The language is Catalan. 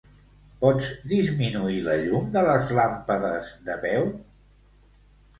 Pots disminuir la llum de les làmpades de peu?